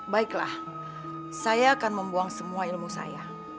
baiklah saya akan membuang semua ilmu saya